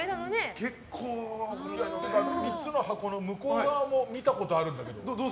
３つの箱の向こう側も見たことあるんだけど。